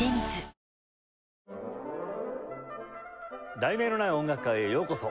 『題名のない音楽会』へようこそ。